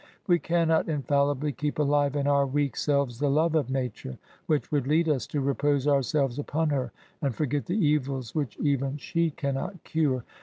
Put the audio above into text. We cannot infallibly keep alive in our weak selves the love of Nature which would lead us to repose ourselves upon her, and forget the evils which even she cannot cure.